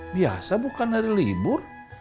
biasa bukan hari libur